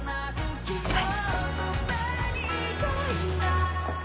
はい。